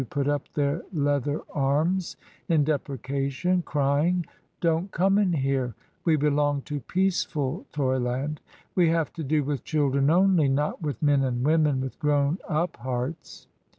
285 put up their leather arms in deprecation, crying, "Don't come in here, we belong to peaceful toy land, we have to do with children only, not with men and woman with grown up hearts."